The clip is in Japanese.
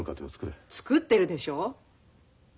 作ってるでしょ。